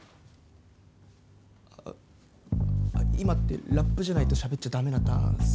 あっ今って、ラップじゃないとしゃべっちゃ駄目なターンっす！